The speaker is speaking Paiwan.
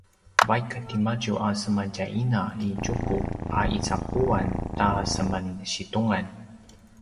vaik timadju a sema tjay ina i Tjuku a icaquan ta seman situngan